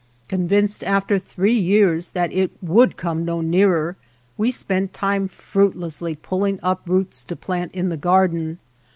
Convinced after three years that it would come no nearer, we spent time fruitlessly pulling up roots to plant in the 132 MY NEIGHBOR S FIELD garden.